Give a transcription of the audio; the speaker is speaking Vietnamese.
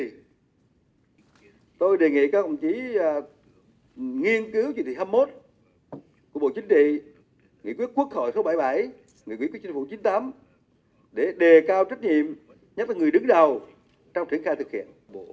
chúng tôi đề nghị các công chí nghiên cứu dịch vụ hai mươi một của bộ chính trị nghị quyết quốc hội số bảy mươi bảy nghị quyết chính phủ chín mươi tám để đề cao trách nhiệm nhắc về người đứng đầu trong triển khai thực hiện